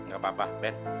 gak apa apa ben